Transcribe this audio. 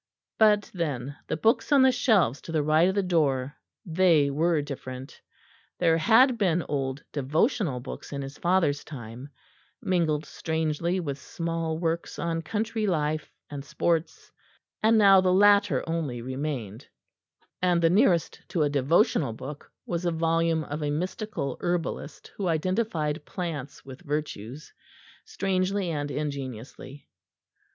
But then the books on the shelves to the right of the door, they were different; there had been old devotional books in his father's time, mingled strangely with small works on country life and sports; now the latter only remained, and the nearest to a devotional book was a volume of a mystical herbalist who identified plants with virtues, strangely and ingeniously.